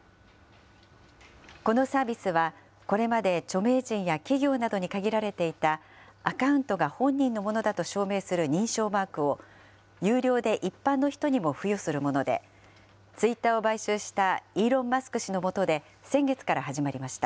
このサービスは、これまで著名人や企業などに限られていたアカウントが本人のものだと証明する認証マークを、有料で一般の人にも付与するもので、ツイッターを買収したイーロン・マスク氏のもとで、先月から始まりました。